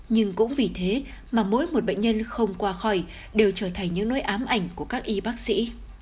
nhưng cũng vì thế mà mỗi một bệnh nhân không qua khỏi đều trở thành những nỗi ám ảnh của các y bác sĩ